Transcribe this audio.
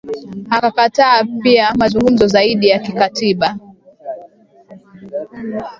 Akakataa pia mazungumzo zaidi ya kikatiba